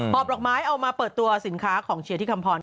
อบดอกไม้เอามาเปิดตัวสินค้าของเชียร์ที่คำพร